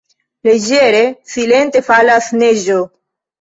Leĝere, silente falas neĝo.